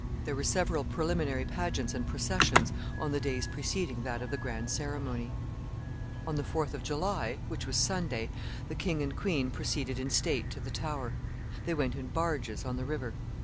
There were several preliminary pageants and processions on the days preceding that of the grand ceremony. On the 4th of July, which was Sunday, the king and queen proceeded in state to the Tower. They went in barges on the river.